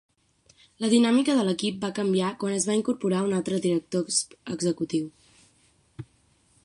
La dinàmica de l'equip va canviar quan es va incorporar un altre director executiu.